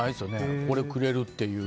これ、くれるという。